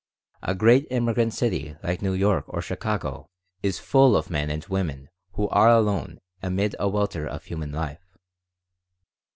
A great immigrant city like New York or Chicago is full of men and women who are alone amid a welter of human life.